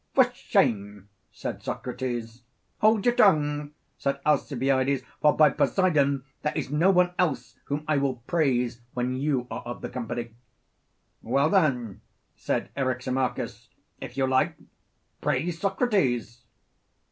For shame, said Socrates. Hold your tongue, said Alcibiades, for by Poseidon, there is no one else whom I will praise when you are of the company. Well then, said Eryximachus, if you like praise Socrates.